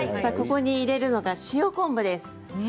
ここに入れるのが塩昆布です。